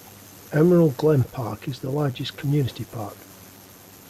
Emerald Glen Park is the largest community park.